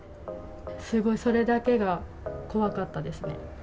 すごいそれだけが怖かったですね。